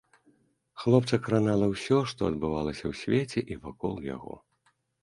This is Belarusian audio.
Хлопца кранала ўсё, што адбывалася ў свеце і вакол яго.